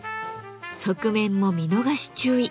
側面も見逃し注意。